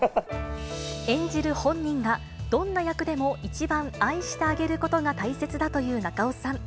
演じる本人が、どんな役でも一番愛してあげることが大切だという中尾さん。